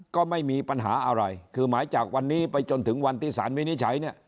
ก็ไม่มีปัญหาอะไรคือหมายจากวันนี้ไปจนถึงวันที่สารวินิจฉัยเนี่ย